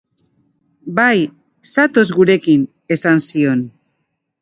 Bi talde gipuzkoar hauek udan izan dituzten zuzenekoen inguruan mintzatu ziren atzokoan.